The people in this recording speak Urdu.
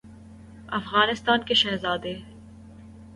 افغانستان کےشہزاد ے